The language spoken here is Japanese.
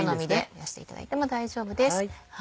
増やしていただいても大丈夫です。